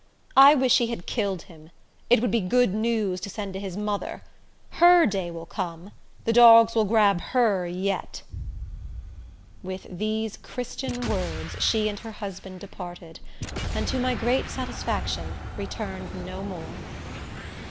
"I wish he had killed him. It would be good news to send to his mother. Her day will come. The dogs will grab her yet." With these Christian words she and her husband departed, and, to my great satisfaction, returned no more.